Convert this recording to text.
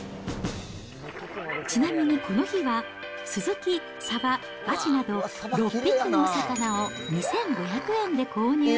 ちなみに、この日はスズキ、サバ、アジなど、６匹の魚を２５００円で購入。